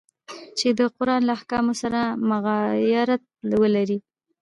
چي د قرآن له احکامو سره مغایرت ولري.